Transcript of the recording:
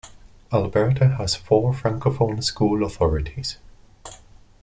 Alberta has four francophone school authorities.